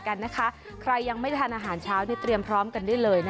ใครยังไม่ทานอาหารเช้าค่อยต้องเตรียมพร้อมกันได้เลย